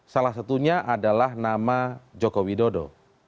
salah satunya adalah nama joko widodo